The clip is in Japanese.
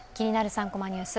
３コマニュース」